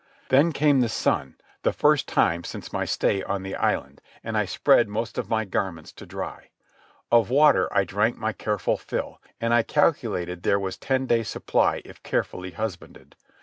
Then came the sun, the first time since my stay on the island, and I spread most of my garments to dry. Of water I drank my careful fill, and I calculated there was ten days' supply if carefully husbanded.